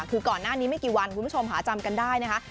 คือก่อนหน้านี้ไม่กี่วันคุณผู้ชมหาจำกันได้นะคะ